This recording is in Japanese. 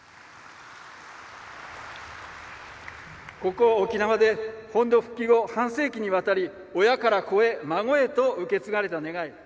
ここ沖縄で、本土復帰後半世紀にわたり親から子へ、孫へと受け継がれた願い。